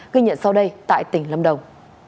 ghi nhận sau đây tại tỉnh lâm đồng